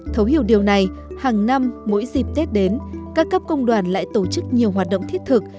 thấu hiểu điều này hàng năm mỗi dịp tết đến các cấp công đoàn lại tổ chức nhiều hoạt động thiết thực